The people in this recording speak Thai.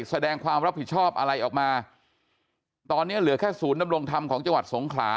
แสดงความรับผิดชอบอะไรออกมาตอนนี้เหลือแค่ศูนย์ดำรงธรรมของจังหวัดสงขลา